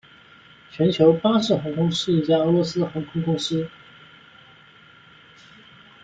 全球巴士航空是一家俄罗斯航空公司。